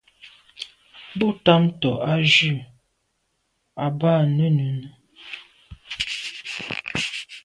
Bo tamtô à jù à b’a nunenùne.